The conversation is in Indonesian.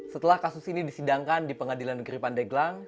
setelah kasus ini disidangkan di pengadilan negeri pandeglang